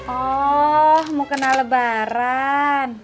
oh mau kena lebaran